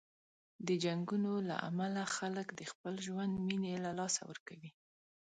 د جنګونو له امله خلک د خپل ژوند مینې له لاسه ورکوي.